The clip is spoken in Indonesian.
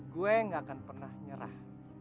gue gak akan pernah nyerah